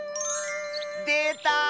でた！